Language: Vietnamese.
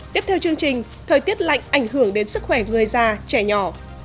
tiếp theo chương trình thời tiết lạnh ảnh hưởng đến sức khỏe người già trẻ nhỏ